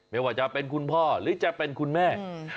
ไม่ว่าจะเป็นคุณพ่อหรือจะเป็นคุณแม่